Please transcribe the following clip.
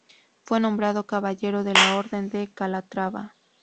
Fue nombrado caballero de la Orden de Calatrava.